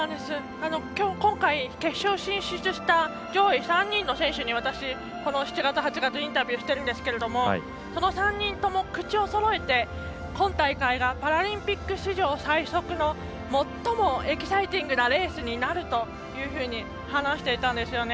今回、決勝進出した上位３人の選手に私、この７月、８月でインタビューしているんですがその３人とも口をそろえて今大会がパラリンピック史上最速の最もエキサイティングなレースになるというふうに話していたんですよね。